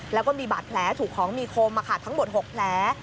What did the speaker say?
แล้วก็มีบาดแผลถูกของมีคมทั้งหมด๖แผล